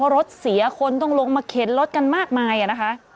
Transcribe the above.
รถเสียคนต้องลงมาเข็นรถกันมากมายนะคะ